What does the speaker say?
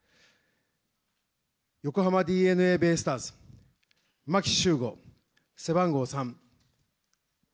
横浜ＤｅＮＡベイスターズ、牧秀悟、背番号３。